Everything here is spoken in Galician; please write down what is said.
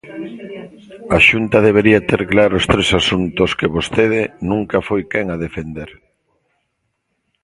A Xunta debería ter claros tres asuntos que vostede nunca foi quen a defender.